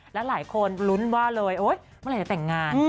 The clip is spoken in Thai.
แล้วหลายคนรุ้นว่าแบบเมื่อไหร่จะแต่งงาน